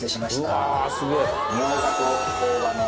うわすげぇ！